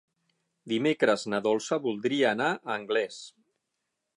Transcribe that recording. Dimecres na Dolça voldria anar a Anglès.